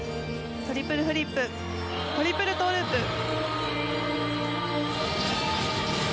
トリプルフリップトリプルトウループ。